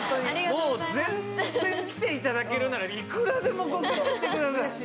もう全然来ていただけるならいくらでも告知してください